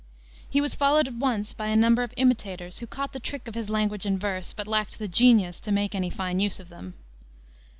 He was followed at once by a number of imitators who caught the trick of his language and verse, but lacked the genius to make any fine use of them.